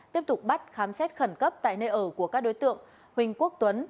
tiếp tục bắt khám xét khẩn cấp tại nơi ở của các đối tượng huỳnh quốc tuấn